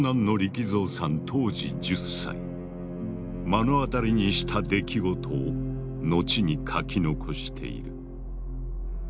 目の当たりにした出来事を後に書き残している。